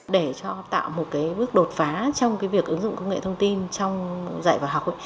để cho tạo một bước đột phá trong việc ứng dụng công nghệ thông tin trong dạy và học